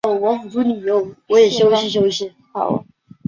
他们多数是从其他加勒比地区如马提尼克和瓜德罗普来到。